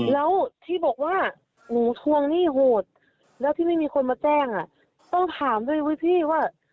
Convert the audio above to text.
แล้วที่บอกว่าหนูทวงหนี้โหดแล้วที่ไม่มีคนมาแจ้งต้องถามด้วยไหมพี่ว่า